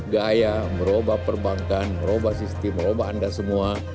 gaya merubah perbankan merubah sistem merubah anda semua